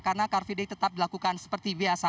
karena car free day tetap dilakukan seperti biasa